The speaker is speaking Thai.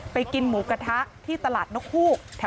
กินหมูกระทะที่ตลาดนกฮูก